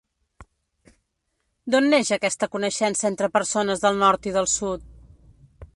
Don neix aquesta coneixença entre persones del nord i del sud?